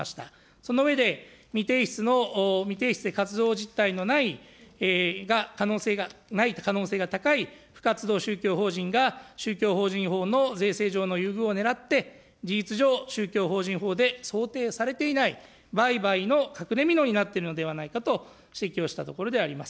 その上で、未提出の、未提出で活動実態のない、可能性がない、高い不活動宗教法人が、宗教法人法の税制上の優遇をねらって、事実上、宗教法人法で想定されていない売買の隠れみのになっているのではないかと指摘をしたところであります。